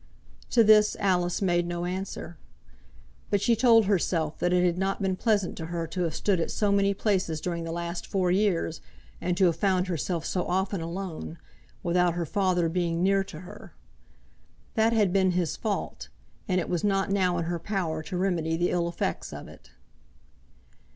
To this Alice made no answer; but she told herself that it had not been pleasant to her to have stood at so many places during the last four years, and to have found herself so often alone, without her father being near to her. That had been his fault, and it was not now in her power to remedy the ill effects of it.